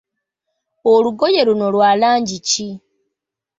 Olugoye luno lwa langi ki?